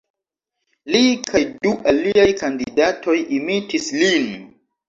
Li kaj du aliaj kandidatoj imitis lin.